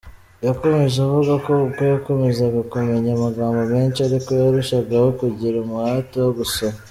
Yakomeje avuga ko uko yakomezaga kumenya amagambo menshi ariko yarushagaho kugira umuhate wo gusoma.